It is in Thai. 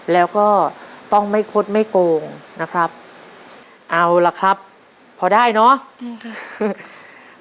แล้วก็ต้องไม่คดไม่โกงนะครับเอาล่ะครับพอได้เนอะ